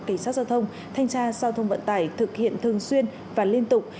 cảnh sát giao thông thanh tra giao thông vận tải thực hiện thường xuyên và liên tục